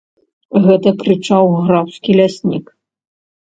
Гэта крычаў графскі ляснік.